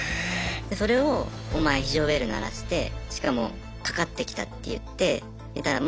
それをお前非常ベル鳴らしてしかもかかってきたって言ってもう懲罰行きなんですよ。